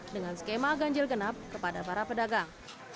dengan skema ganjil genap kepada para pedagang